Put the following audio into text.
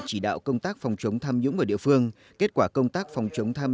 chúng tôi cũng đã kiểm niệm là xử lý trách nhiệm